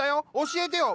教えてよ